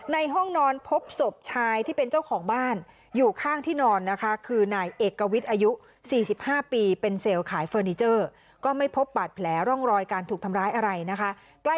ห้องนอนพบศพชายที่เป็นเจ้าของบ้านอยู่ข้างที่นอนนะคะคือนายเอกวิทย์อายุ๔๕ปีเป็นเซลล์ขายเฟอร์นิเจอร์ก็ไม่พบบาดแผลร่องรอยการถูกทำร้ายอะไรนะคะ